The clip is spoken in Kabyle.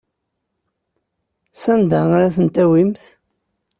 Sanda ara ten-tawimt?